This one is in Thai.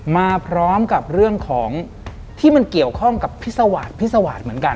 มาพร้อมกับเรื่องของที่มันเกี่ยวข้องกับพิสวาสพิสวาสเหมือนกัน